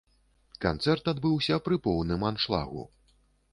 Канцэрт адбыўся пры поўным аншлагу.